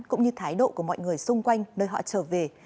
cũng như thái độ của mọi người xung quanh nơi họ trở về